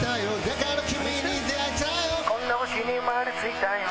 「こんな地球に生まれついたよ」